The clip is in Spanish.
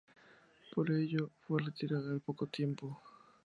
Por ello, fue retirada al poco tiempo.